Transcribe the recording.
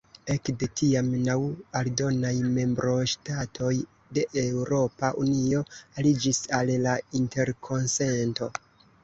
Ekde tiam naŭ aldonaj membroŝtatoj de Eŭropa Unio aliĝis al la interkonsento.